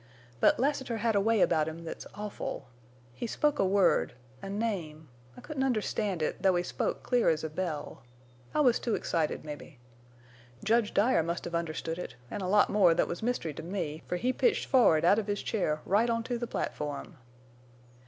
But Lassiter had a way about him thet's awful. He spoke a word—a name—I couldn't understand it, though he spoke clear as a bell. I was too excited, mebbe. Judge Dyer must hev understood it, an' a lot more thet was mystery to me, for he pitched forrard out of his chair right onto the platform.